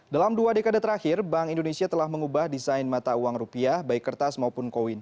dalam dua dekade terakhir bank indonesia telah mengubah desain mata uang rupiah baik kertas maupun koin